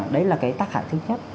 đấy là cái tác hại thứ nhất